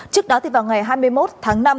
trước đó thì vào ngày hai mươi một tháng năm